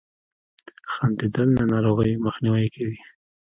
• خندېدل له ناروغیو مخنیوی کوي.